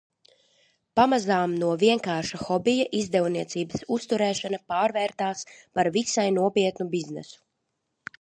Pamazām no vienkārša hobija izdevniecības uzturēšana pārvērtās par visai nopietnu biznesu.